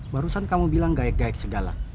barusan kamu bilang gaek gaek segala